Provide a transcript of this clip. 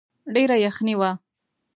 ډېره يخني وه.